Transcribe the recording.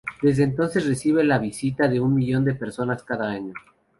Desde entonces recibe la visita de un millón de personas cada año.